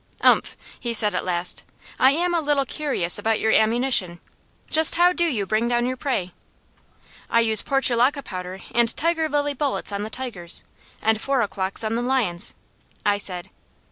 "Umph!" he said at last. "I am a little curious about your ammunition. Just how to you bring down your prey?" "I use portulaca powder and tiger lily bullets on the tigers, and four o'clocks on the lions," I said.